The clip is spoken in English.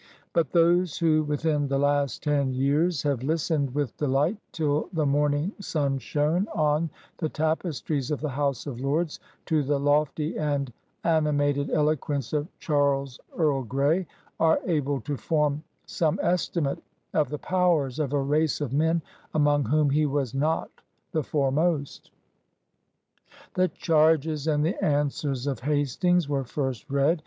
But those who, within the last ten years, have listened with deHght, till the morning sun shone on the tapestries of the House of Lords, to the lofty and animated eloquence of Charles Earl Grey are able to form some estimate of the powers of a race of men among whom he was not the foremost. The charges and the answers of Hastings were first read.